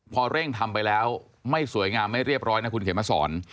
พอเร่งทำไปแล้วไม่สวยงามไม่เรียบร้อยนะคุณเขียนมาสอน